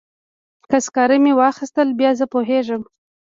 که سکاره مې واخیستل بیا زه پوهیږم.